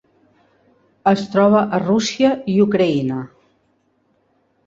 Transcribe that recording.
Es troba a Rússia i Ucraïna.